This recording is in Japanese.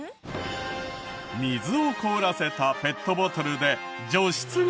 水を凍らせたペットボトルで除湿ができる。